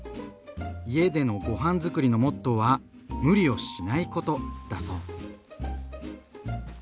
家でのごはんづくりのモットーは「無理をしないこと」だそう。